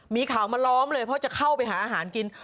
มีข่าวมาล้อมเลยเพราะจะเข้าไปหาอาหารกิน